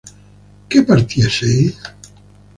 ¿que partieseis?